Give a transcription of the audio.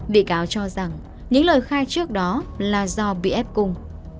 bị cáo cho rằng những lời khai trước đó là do bị ép cung